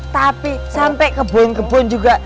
tapi sampai kebun kebun juga